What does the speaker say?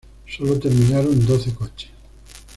Solo terminaron doce coches.